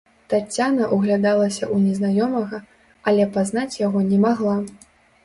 Таццяна ўглядалася ў незнаёмага, але пазнаць яго не магла.